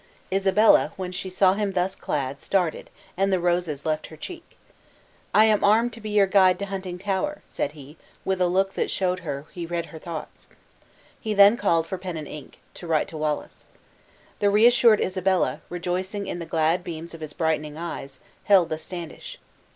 Isabella, when she saw him thus clad, started, and the roses left her cheek. "I am armed to be your guide to Huntingtower," said he, with a look that showed her he read her thoughts. He then called for pen and ink, to write to Wallace. The reassured Isabella, rejoicing in the glad beams of his brightening eyes, held the standish.